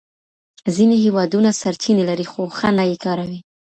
ځینې هېوادونه سرچینې لري خو ښه نه یې کاروي.